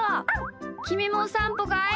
きみもおさんぽかい？